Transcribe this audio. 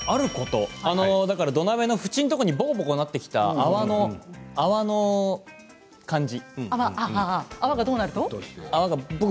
土鍋の縁のところにぼこぼことなってきた泡の感じ。